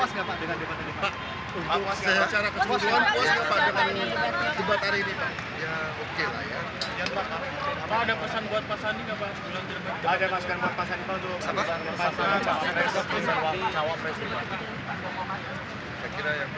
sepertinya lebih ber fantasiak